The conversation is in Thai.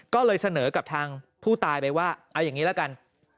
ก็เลยเสนอกับทางผู้ตายไปว่าเอาอย่างนี้ละกัน